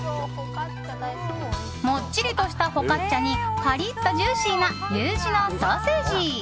もっちりとしたフォカッチャにパリッとジューシーなＵ字のソーセージ。